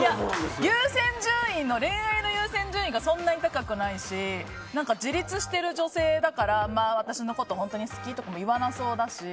恋愛の優先順位がそんなに高くないし自立してる女性だから私のこと本当に好き？とか言わなさそうだし。